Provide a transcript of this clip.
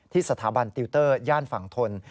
สถาบันติวเตอร์ย่านฝั่งทน